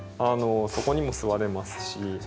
そこにも座れますし。